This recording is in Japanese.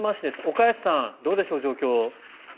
岡安さん、どうでしょう状況。